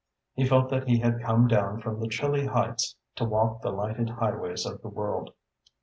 He felt that he had come down from the chilly heights to walk the lighted highways of the world.